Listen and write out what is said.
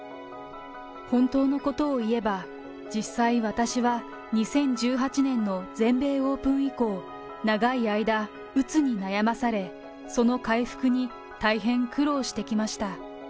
本当のことを言えば、実際、私は２０１８年の全米オープン以降、長い間、うつに悩まされ、その回復に大変苦労してきました。